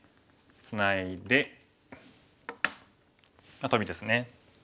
ツナいでトビですね。